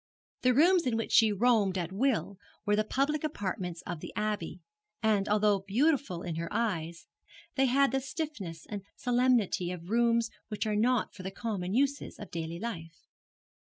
The rooms in which she roamed at will were the public apartments of the Abbey, and, although beautiful in her eyes, they had the stiffness and solemnity of rooms which are not for the common uses of daily life.